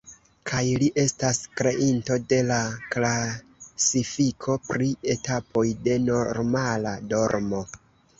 Kaj li estas kreinto de la klasifiko pri etapoj de normala dormo.